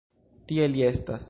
Tie li estas!